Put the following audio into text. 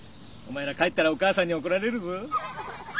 お前ら帰ったらお母さんにおこられるぞ。